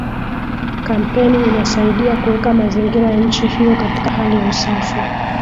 Kampeni inasaidia kuweka mazingira ya nchi hiyo katika hali ya usafi